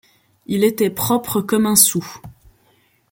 Il était propre comme un sou.